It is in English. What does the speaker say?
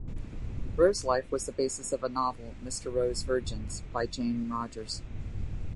Wroe's life was the basis of a novel, "Mr. Wroe's Virgins" by Jane Rogers.